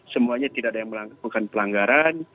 semuanya tidak ada yang melakukan pelanggaran